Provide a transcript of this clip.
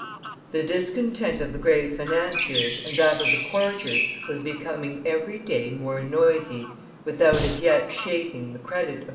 The discontent of the great financiers and that of the courtiers was becoming every day more noisy, without as yet shaking the credit of M.